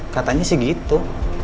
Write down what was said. katanya sih gitu